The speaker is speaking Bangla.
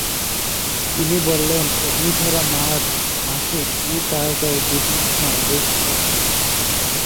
তিনি বলেন, অগ্নিঝরা মার্চ মাসে দু জায়গায় দুটি সমাবেশ হচ্ছে।